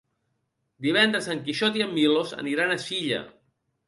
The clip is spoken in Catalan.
Divendres en Quixot i en Milos aniran a Silla.